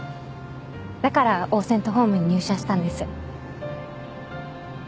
だからオーセントホームに入社したんです。